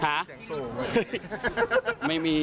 ฮะเสียงสูงไม่มี